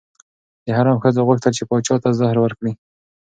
د حرم ښځو غوښتل چې پاچا ته زهر ورکړي.